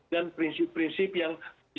dan prinsip prinsip yang bisa menjadi